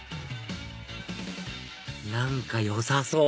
何かよさそう！